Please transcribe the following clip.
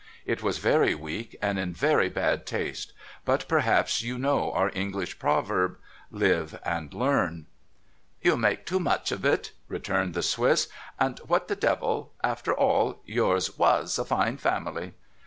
It was very weak, and in very bad taste ; but perhaps you know our English proverb, " Live and Learn." '' You make too much of it,' returned the Swiss. ' And ^\ hat the devil I After all, yours was a fine family.'